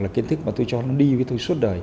là kiến thức mà tôi cho nó đi với tôi suốt đời